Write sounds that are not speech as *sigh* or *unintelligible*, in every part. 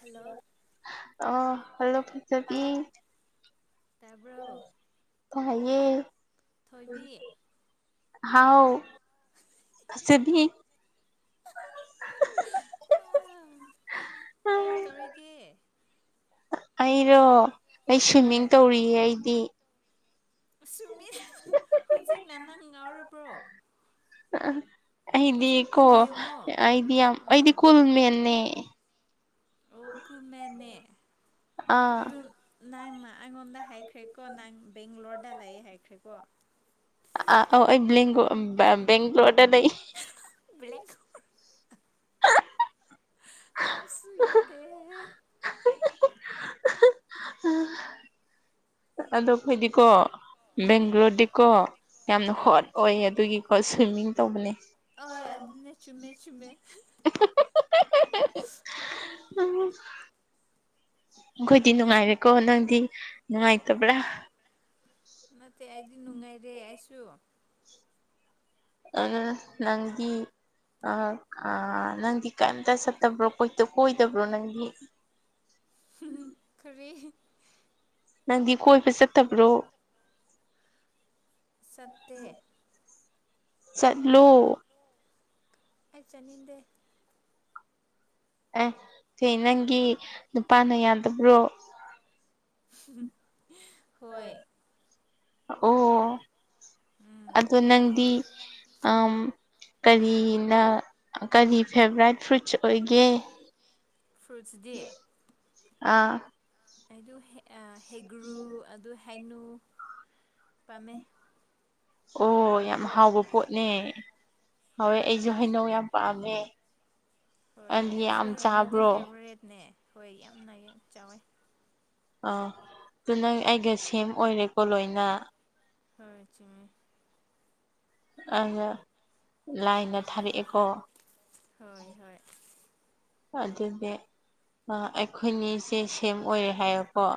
Hello ꯑꯣ hello ꯐꯖꯕꯤ ꯇꯥꯕ꯭ꯔꯣ ꯇꯥꯏꯌꯦ ꯊꯣꯏꯕꯤ ꯍꯥꯎ ꯐꯖꯕꯤ ꯀꯩꯇꯧꯔꯤꯒꯦ ꯑꯩꯔꯣ ꯑꯩ ꯍꯥꯏ ꯁ꯭ꯋꯤꯝꯃꯤꯡ ꯇꯧꯔꯤꯌꯦ ꯑꯩꯗꯤ ꯁꯨꯃꯤꯔ ꯍꯧꯖꯤꯛꯅ ꯅꯪ ꯉꯥꯎꯔꯕ꯭ꯔꯣ ꯑ *inaudible* ꯑꯩꯗꯤ ꯍꯧꯖꯤꯛ ꯀꯣ ꯄꯨꯡ ꯌꯦꯡꯉꯣ ꯑꯩꯗꯤ ꯌꯥꯝ ꯑꯩꯗꯤ ꯑꯥ ꯀꯨꯜ ꯃꯦꯟꯅꯦ ꯑꯣ ꯀꯨꯝꯃꯦꯅꯦ ꯑꯥ ꯑꯗꯨ ꯅꯪꯅ ꯑꯩꯉꯣꯟꯗ ꯍꯥꯏꯈ꯭ꯔꯦꯀꯣ ꯅꯪ ꯕꯦꯡꯒ꯭ꯂꯣꯔꯗ ꯂꯩ ꯍꯥꯏꯈ꯭ꯔꯦꯀꯣ *inaudible* ꯑꯩꯕꯦꯡꯒ ꯕꯦꯡꯒ꯭ꯂꯣꯔꯗ ꯂꯩ ꯕ꯭ꯂ *inaudible* ꯇꯁꯨꯨꯏ ꯌꯥꯗꯦ *inaudible* ꯎꯝ *inaudible* ꯑꯗꯣ ꯑꯩꯈꯣꯏꯗꯤꯀꯣ ꯎꯝ ꯕꯦꯡꯒ꯭ꯂꯣꯔꯗꯤꯀꯣ ꯌꯥꯝꯅ ꯍꯣꯏ ꯍꯣꯠ ꯑꯣꯏ ꯑꯗꯨꯒꯤ ꯁ꯭ꯋꯤꯃꯤꯡ ꯇꯧꯕꯅꯦ ꯑꯣ ꯑꯗꯨꯅꯦ ꯆꯨꯝꯃꯦ ꯆꯨꯝꯃꯦ ꯎꯝ *inaudible* ꯑꯩꯈꯣꯏꯗꯤ ꯅꯨꯡꯉꯥꯏꯔꯦꯀꯣ ꯅꯪꯗꯤ ꯅꯨꯡꯉꯥꯏꯇꯕ꯭ꯔꯥ ꯅꯠꯇꯦ ꯑꯩꯗꯤ ꯅꯨꯡꯉꯥꯏꯔꯦ ꯑꯩꯁꯨ ꯑꯗꯨꯅ ꯅꯪꯗꯤ ꯑꯥ ꯑꯥ ꯅꯪꯗꯤ ꯀꯩꯝꯇ ꯆꯠꯇꯕ꯭ꯔꯣ ꯀꯣꯏ ꯀꯣꯏꯗꯕ꯭ꯔꯣ ꯅꯪꯗꯤ ꯀꯔꯤ ꯅꯪꯗꯤ ꯀꯣꯏꯕ ꯆꯠꯇꯕ꯭ꯔꯣ ꯆꯠꯇꯦ ꯆꯠꯂꯣ ꯑꯩ ꯆꯠꯅꯤꯡꯗꯦ ꯑꯦ ꯀꯩ ꯅꯪꯒꯤ ꯅꯨꯄꯥꯅ ꯌꯥꯗꯕ꯭ꯔꯣ ꯍꯣꯏ ꯑꯣ ꯎꯝ ꯑꯗꯣ ꯅꯪꯗꯤ ꯑꯥꯝ ꯀꯔꯤꯅ ꯀꯔꯤ ꯐꯦꯚꯣꯔꯥꯏꯠ ꯐ꯭ꯔꯨꯏꯠꯁ ꯑꯣꯏꯒꯦ ꯐ꯭ꯔꯨꯠꯁ ꯗꯤ ꯑꯥ ꯑꯩꯗꯨ ꯍꯦꯒ꯭ꯔꯨ ꯑꯗꯨ ꯍꯩꯅꯨ ꯄꯥꯝꯃꯦ ꯑꯣ ꯌꯥꯝ ꯍꯥꯎꯋꯦꯀꯣ ꯍꯥꯎꯕ ꯄꯣꯠꯅꯦ ꯍꯧꯋꯦ ꯑꯩꯁꯨ ꯎꯝ ꯍꯩꯅꯧ ꯌꯥꯝ ꯄꯥꯝꯃꯦ ꯍꯣꯏ ꯑꯗꯤ ꯑꯩꯁꯨ ꯌꯥꯝ ꯍꯩꯅꯣꯗꯤ ꯆꯥꯕ꯭ꯔꯣ ꯐꯦꯕꯣꯔꯦꯠꯅꯦ ꯍꯣꯏ ꯌꯥꯝꯅ ꯌꯥꯝ ꯆꯥꯎꯋꯦ ꯑꯥ ꯑꯗꯨ ꯅꯪ ꯑꯩꯒ ꯁꯦꯝ ꯑꯣꯏꯔꯦꯀꯣ ꯂꯣꯏꯅ ꯍꯣꯏ ꯆꯃꯤꯃꯦ ꯑꯗ ꯂꯥꯏꯅ ꯊꯥꯔꯛꯑꯦꯀꯣ ꯍꯣꯏ ꯍꯣꯏ ꯑꯗꯨꯗꯤ ꯑꯩꯈꯣꯏꯅꯤꯁꯦ ꯁꯦꯝ ꯑꯣꯏꯔꯦ ꯍꯥꯏꯌꯦꯀꯣ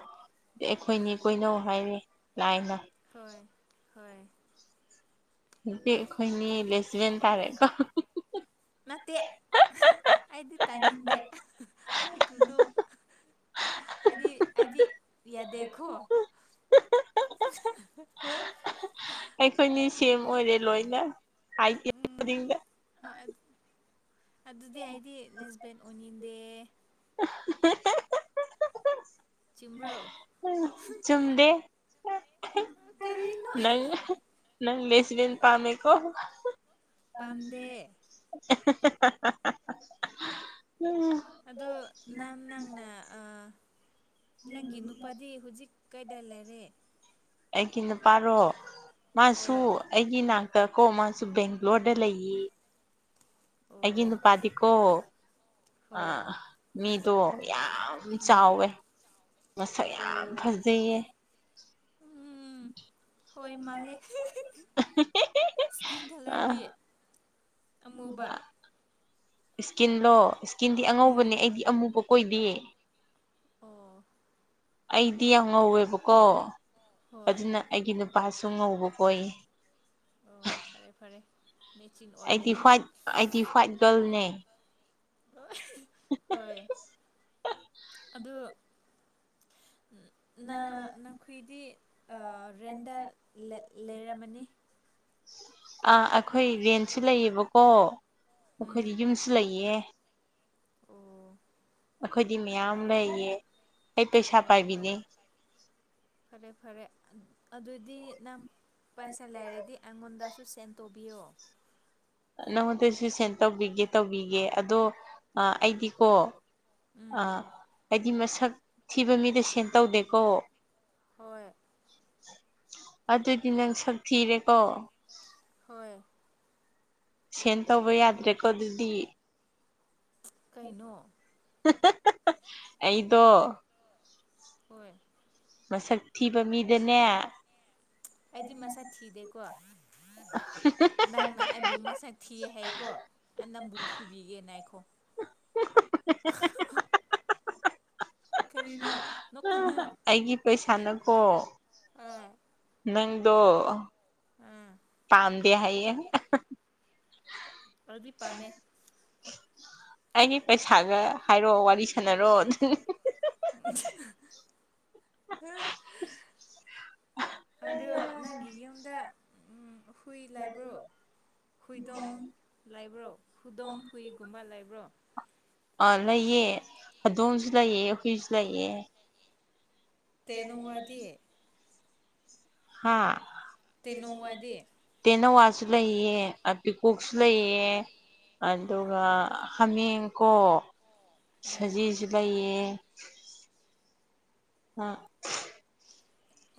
ꯑꯩꯈꯣꯏꯅꯤ ꯀꯣꯏꯅꯧ ꯍꯥꯏꯔꯦ ꯂꯥꯏꯅ ꯍꯣꯏ ꯍꯣꯏ ꯍꯧꯇꯤ ꯑꯩꯈꯣꯏꯅꯤ ꯂꯦꯁꯕꯦꯟ ꯇꯥꯔꯦꯀꯣ ꯅꯠꯇꯦ ꯑꯩꯗꯤ ꯇꯥꯅꯤꯡꯗꯦ ꯍꯩꯈꯨꯅꯨ ꯍꯥꯏꯗꯤ ꯍꯥꯏꯗꯤ ꯌꯥ ꯗꯣ ꯍ ꯑꯩꯈꯣꯏꯅꯤ ꯁꯦꯝ ꯑꯣꯏꯔꯦ ꯂꯣꯏꯅ ꯍꯥꯏꯒꯦ ꯈꯨꯗꯤꯡꯗ ꯑ ꯑꯗꯨꯗꯤ ꯑꯩꯗꯤ ꯂꯤꯦꯁꯕꯦꯟ ꯑꯣꯏꯅꯤꯡꯟꯗꯦ ꯎ ꯆꯤꯡꯕ꯭ꯔꯧ ꯆꯨꯝꯨꯝꯗꯦ ꯀꯔꯤꯅꯣ ꯅꯪ ꯂꯦꯁꯤꯗ ꯄꯥꯝꯃꯦꯀꯣ ꯄꯥꯝꯗꯦ *unintelligible* ꯎꯝ ꯎꯝ ꯑꯗꯨ ꯅꯪ ꯅꯪꯅ ꯅꯪꯒꯤ ꯅꯨꯄꯥꯗꯤ ꯍꯧꯖꯤꯛ ꯀꯩꯗ ꯂꯩꯔꯦ ꯑꯩꯒꯤꯗ ꯄꯥꯔꯣ ꯃꯥꯁꯨ ꯍꯣꯏ ꯑꯩꯒꯤ ꯏ ꯅꯥꯛꯇ ꯀꯣ ꯑꯃꯁꯨ ꯕꯦꯡꯒ꯭ꯂꯣꯔꯗ ꯂꯩꯌꯦ ꯑꯩꯒꯤ ꯑꯣ ꯅꯨꯄꯥꯗꯤꯀꯣ ꯑ ꯍꯣꯏ ꯃꯤꯗꯣ ꯌꯥꯝ ꯌꯥꯝ ꯎꯝ ꯆꯥꯎꯋꯦ ꯃꯁꯛ ꯌꯥꯝ ꯑꯣ ꯐꯖꯩꯌꯦ ꯎꯝ ꯍꯣꯏ ꯃꯥꯜꯂꯦ ꯏꯁꯀꯤꯟ ꯑ ꯀꯂꯔꯗꯤ ꯑꯃꯨꯕ ꯏꯁꯀꯤꯟꯂꯣ ꯏꯁꯀꯤꯟꯗꯤ ꯎꯝ ꯑꯉꯧꯕꯅꯦ ꯑꯩꯗꯤ ꯑꯃꯨꯕ ꯀꯣꯏꯗ ꯑꯣ ꯑꯩꯗꯤ ꯌꯥꯝ ꯉꯧꯋꯦꯕꯀꯣ ꯍꯣꯏ ꯑꯗꯨꯅ ꯑꯩꯒꯤ ꯅꯨꯄꯥꯁꯨ ꯉꯧꯕ ꯀꯣꯏ ꯑꯣ ꯐꯔꯦ ꯐꯔꯦ ꯃꯦꯆꯤꯟ ꯑꯣꯏꯕꯅꯤ ꯑꯩꯠꯇꯤꯐꯥꯏꯠ ꯑꯩꯠꯇꯤꯐꯥꯏꯠ ꯒꯔꯜꯅꯦ ꯍ ꯍꯣꯏ ꯑꯣ ꯅꯈꯨꯏꯗꯤ ꯔꯦꯟꯗ ꯂꯩꯔꯝꯃꯅꯤ ꯑꯥ ꯑꯩꯈꯣꯏ ꯔꯦꯟꯁꯨ ꯂꯩꯌꯦꯕꯀꯣ ꯎꯝ ꯑꯩꯈꯣꯏꯗꯤ ꯌꯨꯝꯁꯨ ꯂꯩꯌꯦ ꯑꯣ ꯑꯩꯈꯣꯏꯗꯤ ꯃꯌꯥꯝ ꯐꯔꯦ ꯂꯩꯌꯦ ꯑꯩ ꯄꯩꯁꯥ ꯑꯣ ꯄꯥꯏꯕꯤꯅꯦ ꯐꯔꯦ ꯐꯔꯦ ꯐꯔꯦ ꯑꯗꯨꯗꯤ ꯅꯪ ꯄꯩꯁꯥ ꯂꯩꯔꯗꯤ ꯑꯩꯉꯣꯟꯗꯁꯨ ꯁꯦꯟ ꯇꯣꯛ ꯄꯕꯤꯌ ꯅꯪꯉꯣꯟꯗꯁꯨ ꯁꯦꯟ ꯇꯧꯕꯤꯒꯦ ꯇꯧꯕꯤꯒꯦ ꯑꯗꯣ ꯑꯩꯗꯤꯀꯣ ꯎꯝ ꯑꯥ ꯍꯥꯏꯗꯤ ꯃꯁꯛ ꯊꯤꯕ ꯃꯤꯗ ꯁꯦꯟ ꯇꯧꯗꯦꯀꯣ ꯍꯣꯏ ꯑꯗꯨꯗꯤ ꯅꯪ ꯁꯛ ꯊꯤꯔꯦꯀꯣ ꯍꯣꯏ ꯁꯦꯟ ꯇꯧꯕ ꯌꯥꯗ꯭ꯔꯦꯀꯣ ꯑꯗꯨꯗꯤ ꯀꯩꯅꯣ ꯑꯩꯗꯣ ꯍꯣꯏ ꯃꯁꯛ ꯊꯤꯕ ꯃꯤꯗꯅꯦ ꯑꯩꯗꯤ ꯃꯁꯥ ꯊꯤꯗꯦꯀꯣ ꯅꯪꯅ ꯑꯩꯕꯨ ꯃꯁꯥꯛ꯫ ꯊꯤ ꯍꯥꯏꯀꯣ ꯅꯝꯕꯨ ꯐꯨꯕꯤꯒꯦꯅ ꯅꯥꯏꯈꯣ꯫ ꯀꯔꯤꯅꯣ ꯅꯣꯛꯀꯅꯨ ꯑꯩꯒꯤ ꯄꯩꯁꯥꯅꯀꯣ꯫ ꯑꯥ ꯅꯪꯗꯣ꯫ ꯑꯥ꯫ ꯄꯥꯝꯗꯦ ꯍꯥꯏꯌꯦ꯫ ꯑꯩꯗꯤ ꯄꯥꯝꯃꯦ꯫ ꯑꯩꯒꯤ ꯄꯩꯁꯥꯒ ꯍꯥꯏꯔꯣ ꯋꯥꯔꯤ ꯁꯥꯟꯅꯔꯣ꯫ *unintelligible* ꯑꯗꯨ ꯅꯪꯒꯤ ꯌꯨꯝꯗ꯫ ꯎꯝ ꯍꯨꯏ ꯂꯥꯏꯕ꯭ꯔꯣ ꯍꯨꯏꯗꯣꯟ ꯂꯥꯏꯕ꯭ꯔꯣ ꯍꯨꯏꯗꯣꯟ ꯍꯨꯏ꯫ ꯒꯨꯝꯕ ꯂꯩꯕ꯭ꯔꯣ꯫ ꯑꯥ ꯂꯩꯑ ꯍꯧꯗꯣꯡꯁꯨ ꯂꯩꯑꯦ ꯍꯨꯏꯁꯨ ꯂꯩꯑꯦ꯫ ꯇꯦꯅꯋꯥꯗꯤ꯫ ꯍꯥꯥ꯫ ꯇꯦꯅꯣꯋꯥꯗꯤ ꯇꯦꯅꯋꯥꯁꯨ ꯂꯩꯑ ꯄꯤꯀꯣꯛꯁꯨ ꯂꯩꯌꯦ ꯑꯗꯨꯒ꯫ ꯑꯣ ꯍꯥꯃꯦꯡꯀꯣ ꯑ ꯁꯖꯤꯁꯨ ꯂꯩꯌꯦ꯫ *unintelligible*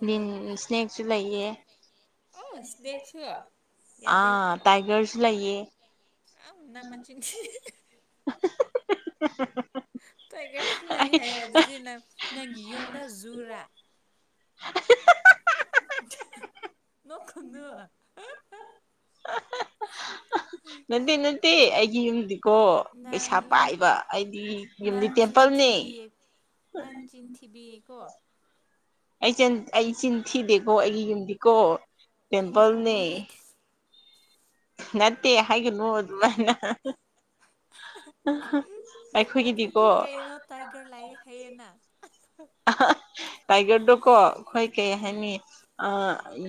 ꯑ ꯂꯤꯟ ꯁ꯭ꯅꯦꯛꯁꯨ ꯂꯩꯌꯦ ꯑꯣ ꯁ꯭ꯅꯦꯛꯁꯨ ꯌꯥꯗꯦ ꯑꯥ꯫ ꯇꯥꯏꯒꯔꯁꯨ ꯂꯩꯌꯦ꯫ ꯑꯥ ꯅꯪ ꯃꯆꯤꯟ ꯊꯤ꯫ *unintelligible* ꯇꯥꯏꯒꯔꯁꯨ ꯂꯩ ꯍꯥꯏ ꯑꯗꯨꯗꯤ ꯅꯪ ꯅꯒꯤ ꯌꯨꯝꯗꯣ ꯖꯨꯔꯥ꯫ *unintelligible* ꯅꯣꯛꯀꯅꯨ꯫ ꯅꯠꯇꯦ ꯅꯠꯇꯦ ꯑꯩꯒꯤ ꯌꯨꯝꯗꯤ꯫ ꯀꯣ ꯅꯪ ꯄꯩꯁꯥ ꯅꯪ ꯄꯥꯏꯕ ꯑꯩꯗꯤ ꯌꯨꯝꯗꯤ ꯅꯪ ꯆꯤꯟ ꯇꯦꯝꯄꯜꯅꯦ꯫ ꯊꯤꯕꯤꯌꯦ ꯅꯪ ꯆꯤꯟ ꯊꯤꯚꯤꯀꯣ꯫ ꯑꯩꯆ ꯑꯩ ꯆꯤꯟ ꯊꯤꯗꯦꯀꯣ ꯑꯩꯒꯤ ꯌꯨꯝꯗꯤꯀꯣ ꯆꯤꯟꯊꯤꯕꯤ ꯇꯦꯝꯄꯜꯅꯦ꯫ ꯅꯠꯇꯦ ꯍꯥꯏꯒꯅꯨ ꯑꯗꯨꯃꯥꯏꯅ꯫ ꯑꯩꯈꯣꯏꯒꯤꯗꯤꯀꯣ꯫ ꯑꯗꯨꯗꯤ ꯀꯩꯅꯣ ꯇꯥꯏꯒꯔ ꯂꯥꯏꯌꯦ ꯍꯥꯏꯌꯦꯅ꯫ ꯇꯥꯏꯒꯔꯗꯣꯀꯣ ꯑꯩꯈꯣꯏ ꯀꯩ ꯍꯥꯏꯅꯤ꯫ ꯑ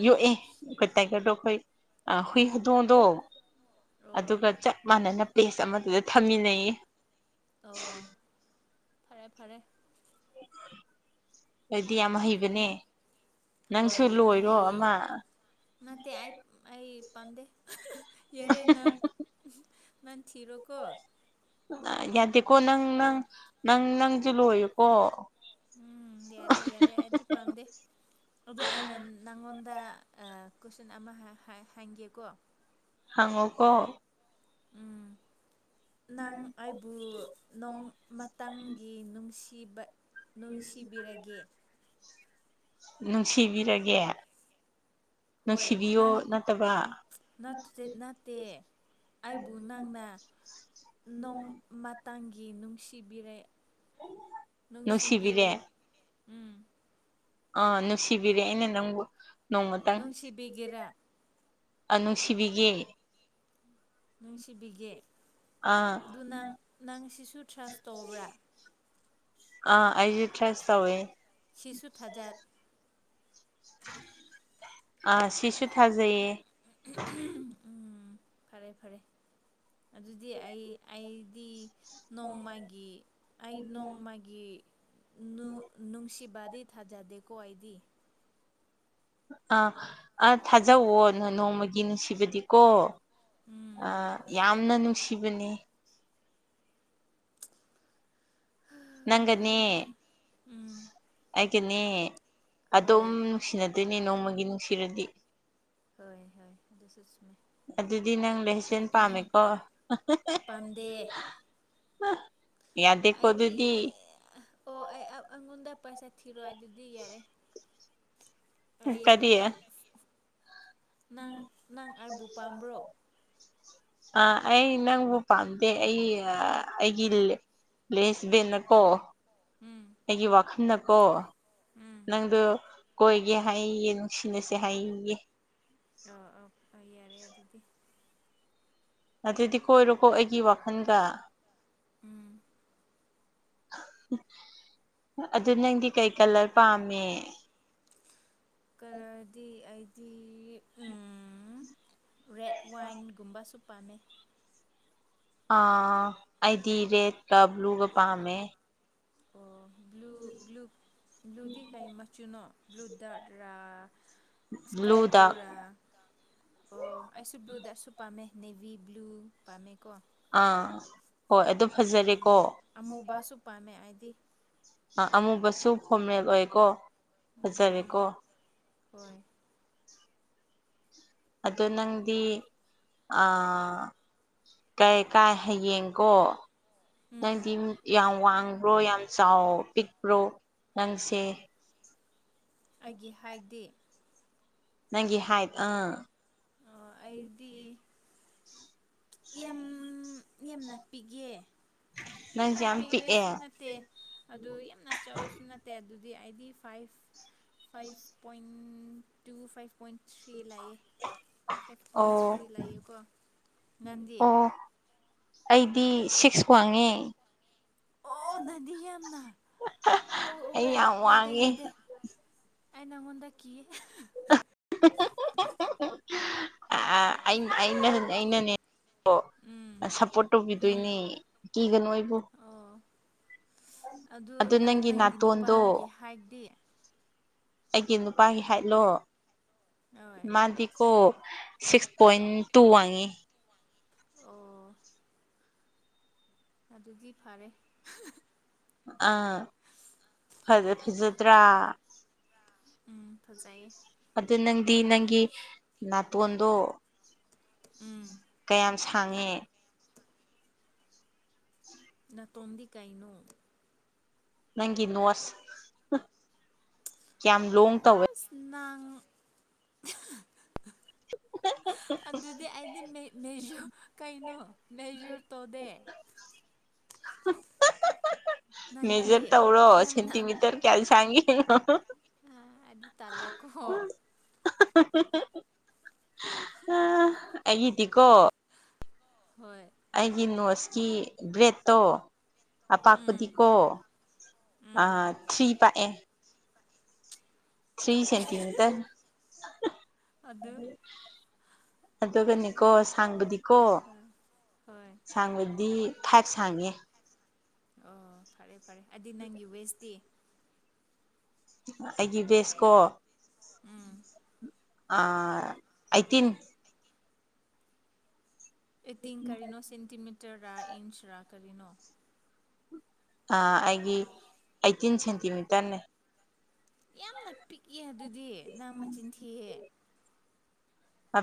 ꯌꯣꯛꯑꯦ ꯑꯩꯈꯣꯏ ꯇꯥꯏꯒꯔꯗꯣ ꯑꯩꯈꯣꯏ ꯍꯨꯏ ꯍꯧꯗꯣꯡꯗꯣ꯫ ꯑꯣ ꯑꯗꯨꯒ ꯆꯞ ꯃꯥꯟꯅꯅ ꯄ꯭ꯂꯦꯁ ꯑꯃꯗꯨꯗ ꯊꯝꯃꯤꯟꯅꯩ꯫ ꯑꯣ ꯐꯔꯦ ꯐꯔꯦ꯫ ꯑꯩꯗꯤ ꯌꯥꯝ ꯍꯩꯕꯅꯦ ꯅꯪꯁꯨ ꯂꯣꯏꯔꯣ ꯑꯃ꯫ ꯅꯇꯦ ꯑꯩ ꯑꯩ ꯄꯝꯗꯦ ꯌꯔꯦ ꯅꯪ꯫ ꯅꯪ ꯊꯤꯔꯣꯀꯣ꯫ ꯌꯥꯗꯦꯀꯣ ꯅꯪ ꯅꯪ ꯅꯪ ꯅꯪꯁꯨ ꯂꯣꯏꯌꯨꯀꯣ꯫ ꯎꯝ ꯌꯥꯔꯦ ꯌꯥꯔꯦ ꯑꯩꯗꯤ ꯄꯥꯝꯗꯦ꯫ ꯑꯗꯨ ꯑꯩꯅ ꯅꯪꯉꯣꯟꯗ ꯑ ꯀꯣꯏꯁꯟ ꯑꯃ ꯍꯪ ꯍꯥꯏ ꯍꯥꯏꯒꯦꯀꯣ꯫ ꯍꯪꯉꯣꯀꯣ ꯎꯝ ꯅꯪ ꯑꯩꯕꯨ ꯅꯨꯡ ꯃꯇꯪꯒꯤ ꯅꯨꯡꯁꯤꯕ ꯅꯨꯡꯁꯤꯕꯤꯔꯒꯦ꯫ ꯅꯨꯡꯁꯤꯕꯤꯔꯒꯦ꯫ ꯍꯣꯏ ꯅꯨꯡꯁꯤꯕꯤꯌꯣ ꯅꯪ ꯅꯠꯇꯕ ꯅꯠꯇꯦ ꯅꯠꯇꯦ ꯑꯩꯕꯨ ꯅꯪꯅ ꯅꯣꯡ꯫ ꯃꯇꯥꯡꯒꯤ ꯅꯨꯡꯁꯤꯕꯤꯔꯦ ꯅꯨꯡꯁꯤꯕꯤꯔꯦ ꯎꯝ꯫ ꯑꯥ ꯅꯨꯡꯁꯤꯕꯤꯔꯦ ꯑꯩꯅ ꯅꯪꯕꯨ ꯅꯣꯡꯃꯇꯪ꯫ ꯅꯨꯡꯁꯤꯕꯤꯒꯦꯔꯥ ꯅꯨꯡꯁꯤꯕꯤꯒꯦ ꯅꯨꯡꯁꯤꯕꯤꯒꯦ ꯑꯥ ꯑꯗꯨꯅꯪ ꯅꯪꯁꯤꯁꯨ ꯇ꯭ꯔꯁ ꯇꯧꯕ꯭ꯔꯥ꯫ ꯑ ꯑꯩꯖꯨ ꯊ꯭ꯔꯁ ꯇꯧꯋꯦ꯫ ꯁꯤꯁꯨ ꯊꯖꯠ ꯑ ꯁꯤꯁꯨ ꯊꯥꯖꯩꯌꯦ꯫ ꯎꯝ ꯐꯔꯦ ꯐꯔꯦ ꯑꯗꯨꯗꯤ ꯑꯩ ꯑꯩꯗꯤ ꯅꯣꯡꯃꯥꯒꯤ ꯑꯩ ꯅꯣꯡꯃꯥꯒꯤ ꯅꯨ ꯅꯨꯡꯁꯤꯕꯗꯤ ꯊꯥꯖꯗꯦꯀꯣ ꯑꯩꯗꯤ ꯑꯥ ꯑꯥ ꯊꯥꯖꯧꯑꯣ ꯅ ꯅꯣꯡꯃꯒꯤ ꯅꯨꯡꯁꯤꯕꯗꯤꯀꯣ ꯎꯝ ꯑ ꯌꯥꯝꯅ ꯅꯨꯡꯁꯤꯕꯅꯦ꯫ ꯅꯪꯒꯅꯦ ꯐꯔꯦ ꯐꯔꯦ ꯎꯝ ꯑꯩꯒꯅꯤ ꯍꯣꯏ ꯑꯗꯨꯝ ꯅꯨꯡꯁꯤꯅꯗꯣꯏꯅꯦ ꯅꯣꯡꯃꯒꯤ ꯅꯨꯡꯁꯤꯔꯗꯤ ꯍꯣꯏ ꯍꯣꯏ ꯑꯗꯨꯁꯨꯆꯨꯝꯃꯦ꯫ ꯑꯗꯨꯗꯤ ꯅꯪ ꯂꯩꯁꯦꯟ ꯄꯥꯝꯃꯦꯀꯣ꯫ ꯄꯥꯝꯗꯦ ꯌꯥꯗꯦ ꯀꯣ ꯑꯩꯗꯤ ꯑꯗꯨꯗꯤ ꯑꯣ ꯑꯩ ꯑ ꯑꯉꯣꯟꯗ ꯄꯩꯁꯥ ꯊꯤꯔꯣ ꯑꯗꯨꯗꯤ ꯌꯥꯔꯦ꯫ ꯑꯩ ꯀꯔꯤ ꯅꯪ ꯅꯪ ꯑꯩꯕꯨ ꯄꯥꯝꯕ꯭ꯔꯣ *inaudible* ꯑꯥ ꯑꯩ ꯅꯪꯕꯨ ꯄꯥꯝꯗꯦ ꯑꯩ ꯑꯩꯒꯤ ꯂꯦꯁꯕꯦꯟꯅ ꯀꯣ꯫ ꯎꯝ ꯑꯩꯒꯤ ꯋꯥꯈꯟꯅꯀꯣ ꯎꯝ ꯅꯪꯗꯨ ꯀꯣꯏꯒꯦ ꯍꯩꯌꯦ ꯅꯨꯡꯁꯤꯅꯁꯦ ꯍꯌꯦ꯫ ꯑꯥ ꯑꯥ ꯌꯥꯔꯦ ꯑꯗꯨꯗꯤ꯫ ꯑꯗꯨꯗꯤ ꯀꯣꯏꯔꯣꯀꯣ ꯑꯩꯒꯤ ꯋꯥꯈꯜꯒ꯫ ꯎꯝ ꯑꯗꯨ ꯅꯪꯗꯤ ꯀꯩ ꯀꯂꯔ ꯄꯥꯝꯃꯤ꯫ ꯀꯂꯔꯗꯤ ꯑꯩꯗꯤ ꯎꯝ ꯔꯦꯠ ꯋꯥꯏꯟꯒꯨꯝꯕꯁꯨ ꯄꯥꯝꯃꯦ ꯑꯥ ꯑꯩꯗꯤ ꯔꯦꯠꯀ ꯕ꯭ꯂꯨꯒ ꯄꯥꯝꯃꯦ꯫ ꯑꯣ ꯕ꯭ꯂꯨ ꯕ꯭ꯂꯨ ꯕ꯭ꯂꯨꯗꯤ ꯀꯩ ꯃꯆꯨꯅꯣ ꯕ꯭ꯂꯨ ꯗꯠꯔꯥ꯫ ꯏꯁ꯭ꯀꯥꯏ ꯕ꯭ꯂꯨꯗ ꯕ꯭ꯂꯨꯔꯥ꯫ ꯑꯣ ꯑꯩꯁꯨ ꯕ꯭ꯂꯨꯗꯁꯨ ꯄꯥꯝꯃꯦ ꯅꯦꯚꯤ ꯕ꯭ꯂꯨ ꯄꯥꯝꯃꯦꯀꯣ꯫ ꯑꯥ ꯍꯣꯏ ꯑꯗꯨ ꯐꯖꯔꯦꯀꯣ꯫ ꯑꯃꯨꯕꯥꯁꯨ ꯄꯥꯝꯃꯦ ꯑꯩꯗꯤ꯫ ꯑꯃꯨꯕꯁꯨ ꯐꯣꯔꯃꯦꯜ ꯑꯣꯏꯀꯣ ꯎꯝ ꯎꯝ ꯐꯖꯔꯦꯀꯣ꯫ ꯍꯣꯏ ꯑꯗꯣ ꯅꯪꯗꯤ ꯑ ꯀꯩ ꯀꯥꯏ ꯍꯌꯦꯡꯀꯣ ꯎꯝ ꯅꯪꯗꯤ ꯌꯥꯝ ꯋꯥꯡꯕ꯭ꯔꯣ ꯌꯥꯝ ꯆꯥꯎ ꯄꯤꯛꯄ꯭ꯔꯣ ꯅꯪꯁꯦ ꯑꯩꯒꯤ ꯍꯥꯏꯗꯤ ꯅꯪꯒꯤ ꯍꯥꯏꯠ ꯑꯥ ꯑꯩꯗꯤ ꯌꯥꯝ ꯌꯥꯝ ꯅꯛꯄꯤꯒꯦ ꯌꯥꯝꯅ ꯅꯪꯁꯦ ꯌꯥꯝ ꯄꯤꯒꯦꯁꯨ ꯄꯤꯛꯑꯦ ꯅꯠꯇꯦ ꯑꯗꯨ ꯌꯥꯝꯅ ꯆꯥꯎꯋꯦꯁꯨ ꯅꯠꯇꯦ ꯐꯠꯇꯦ ꯑꯗꯨꯗꯤ ꯑꯩꯗꯤ five five point two five point three ꯂꯌꯦ ꯐꯥꯏꯚ ꯄꯣꯏꯟ ꯑꯣ ꯊ꯭ꯔꯤ ꯂꯌꯦꯀꯣ ꯉꯥꯟꯗꯤꯌꯦ ꯑꯣ ꯑꯩꯗꯤ ꯁꯤꯛꯁ ꯋꯥꯡꯉꯦ ꯑꯣ ꯅꯗꯤ ꯌꯥꯝꯅ ꯇꯣꯛꯍꯦ ꯑꯩ ꯌꯥꯝ ꯌꯥꯗꯦ ꯋꯥꯡꯉꯦ ꯌꯥꯗꯦ ꯑꯩ ꯅꯪꯉꯣꯟꯗ ꯀꯤ ꯑꯩꯅ ꯑꯩꯅꯅꯦ ꯎꯝ ꯁꯞꯄꯣꯔꯠ ꯎꯝ ꯇꯧꯕꯤꯗꯣꯏꯅꯦ ꯀꯤꯒꯅꯨ ꯑꯩꯕꯨ ꯑꯣ ꯑꯗꯨ ꯅꯪꯒꯤ ꯅꯥꯇꯣꯟꯗꯣ ꯅꯨꯄꯥꯒꯤ ꯍꯥꯏꯠꯗꯤ ꯑꯩꯒꯤ ꯅꯨꯄꯥꯒꯤ ꯍꯥꯏꯠꯂꯣ ꯍꯣꯏ ꯃꯥꯗꯤꯀꯣ ꯁꯤꯛꯁ ꯄꯣꯏꯟ ꯍꯣꯏ ꯇꯨ ꯋꯥꯡꯉꯤ ꯑꯣ ꯑꯗꯨꯗꯤ ꯐꯔꯦ ꯑꯥ ꯐꯖꯗ꯭ꯔꯥ ꯎꯝ ꯐꯖꯩꯌꯦ ꯑꯗꯨ ꯅꯪꯗꯤ ꯅꯪꯒꯤ ꯅꯥꯇꯣꯟꯗꯣ ꯎꯝ ꯀꯌꯥꯝ ꯁꯥꯡꯉꯦ ꯎꯝ ꯅꯇꯣꯝꯗꯤ ꯀꯩꯅꯣ ꯅꯪꯒꯤ ꯅꯣꯠꯁ ꯌꯥꯝꯌꯥꯝ ꯂꯣꯡ ꯇꯧꯋꯦ ꯑꯁ ꯅꯪ ꯑꯗꯨꯗꯤ ꯑꯩꯗꯤꯁꯨ ꯀꯩꯅꯣ ꯃꯦꯖꯔ ꯇꯧꯗꯦ ꯃꯦꯖꯔ ꯅꯪꯒꯤꯗꯤ ꯇꯧꯔꯁꯇꯃꯤꯇꯔ ꯀꯦꯜꯁꯥꯡꯒꯦ ꯑ ꯑꯗꯨꯗꯤ ꯇꯂꯦ ꯀꯣ *unintelligible* ꯎꯝ ꯑꯩꯒꯤꯗꯤꯀꯣ ꯍꯣꯏ ꯑꯩꯒꯤ ꯅꯣꯠꯁꯀꯤ ꯕ꯭ꯔꯦꯠꯇꯣ ꯎꯝ ꯑꯄꯥꯛꯄꯨꯗꯤꯀꯣ ꯎꯝ ꯊ꯭ꯔꯤ ꯄꯥꯛꯑꯦ ꯊ꯭ꯔꯤ ꯆꯥꯎꯋꯦ ꯁꯦꯟꯇꯤꯃꯤꯇꯔ ꯑꯗ ꯑꯗꯨꯒꯅꯦꯀꯣ ꯁꯥꯡꯕꯗꯤꯀꯣ ꯍꯣꯏ ꯍꯣꯏ ꯁꯥꯡꯕꯗꯤ ꯐꯥꯏꯚ ꯁꯥꯡꯉꯦ ꯑꯣ ꯐꯔꯦ ꯐꯔꯦ ꯑꯗꯨꯗꯤ ꯅꯪꯒꯤ ꯋꯦꯁꯇꯤ ꯑꯩꯒꯤ ꯕꯦꯁꯀꯣ ꯎꯝ ꯑꯩꯠꯇꯤꯟ ꯑꯦꯇꯤꯡ ꯀꯔꯤꯅꯣ ꯁꯦꯟꯇꯤꯃꯤꯇꯔꯔ ꯏꯟꯁꯔ ꯀꯔꯤꯅꯣ ꯑꯩꯒꯤ ꯑꯩꯠꯇꯤꯟ ꯁꯦꯟꯇꯤꯃꯤꯇꯔꯅꯦ ꯌꯥꯝꯅ ꯄꯤꯛꯑꯦ ꯑꯗꯨꯗꯤ ꯅ ꯃꯆꯤꯟ ꯊꯤꯑꯦ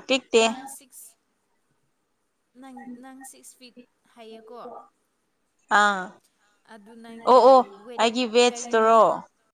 ꯄꯤꯛꯇꯦ ꯅꯪ ꯁꯤꯛꯁ ꯅꯪ ꯅꯪ ꯁꯤꯛꯁ ꯐꯤꯠ ꯍꯥꯏꯌꯦꯀꯣ ꯑꯥ ꯑꯗꯨ ꯑꯣ ꯅꯪꯒꯤ ꯑꯣ ꯋꯦꯠ ꯑꯩꯒꯤ ꯀꯩꯅꯣ ꯋꯦꯠꯁꯇꯨꯔꯣ